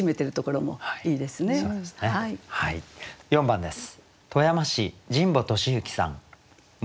４番です。